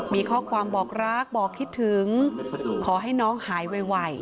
มีข้อความบอกรักบอกคิดถึงขอให้น้องหายไว